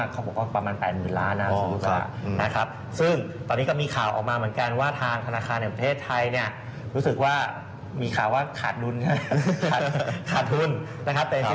ก็เป็นการขาดทุนในรูปแบบของค่าเงินนะเนี่ย